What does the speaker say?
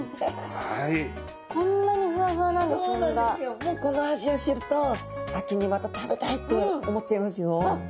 もうこの味を知ると秋にまた食べたいって思っちゃいますよ。